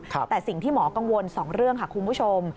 แต่สิ่งที่หมอกังวล๒เรื่องค่ะคุณผู้ชม